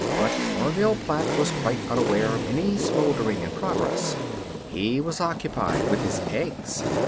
But Orville Platt was quite unaware of any smoldering in progress. He was occupied with his eggs.